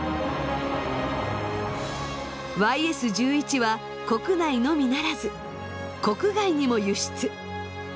ＹＳー１１は国内のみならず国外にも輸出。